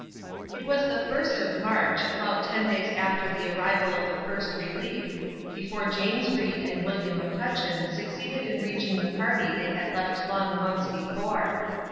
It was the first of March, about ten days after the arrival of the First Relief, before James Reed and William McCutchen succeeded in reaching the party they had left long months before.